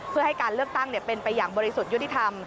เพื่อให้การเลือกตั้งเป็นไปอย่างบริสุทธิ์ยุติธรรม